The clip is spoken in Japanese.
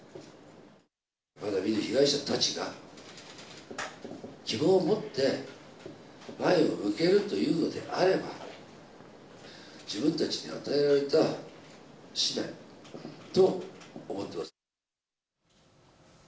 まだ見ぬ被害者たちが希望を持って前を向けるというのであれば、自分たちに与えられた使命と思ってます。